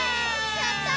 やった！